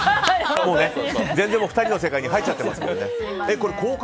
全然２人の世界に入っちゃってますもんね。